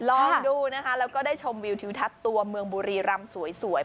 ลองดูนะคะแล้วก็ได้ชมวิวทิวทัศน์ตัวเมืองบุรีรำสวย